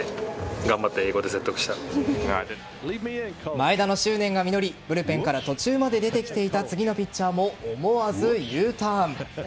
前田の執念が実りブルペンから途中まで出てきていた次のピッチャーも思わずＵターン。